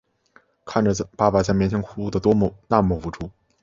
看着爸爸在面前哭的那么无助